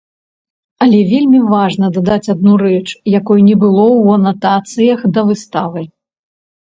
Але вельмі важна дадаць адну рэч, якой не было ў анатацыях да выставы.